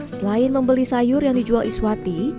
selain membeli sayur yang dijual iswati